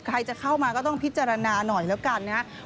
ใครจะเข้ามาก็ต้องพิจารณาหน่อยแล้วกันนะครับ